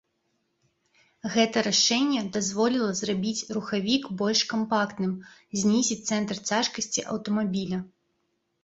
Гэта рашэнне дазволіла зрабіць рухавік больш кампактным, знізіць цэнтр цяжкасці аўтамабіля.